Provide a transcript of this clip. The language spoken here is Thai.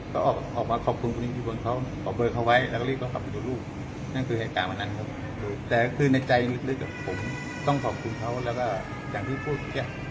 ก็ออกมาขอบคุณพวกนี้ที่คนเขาออกเบอร์เขาไว้